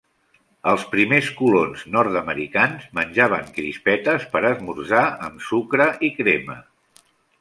Els primers colons nord-americans menjaven crispetes per a esmorzar, amb sucre i crema.